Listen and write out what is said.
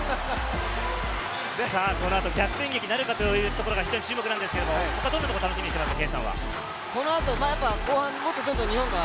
この後、逆転劇なるかというところが非常に注目ですが、他どんなところを楽しみにしていますか？